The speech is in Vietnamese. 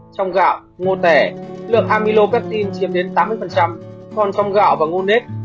trong gạo ngô tẻ lượng amylopeptin chiếm đến tám mươi còn trong gạo và ngô nếp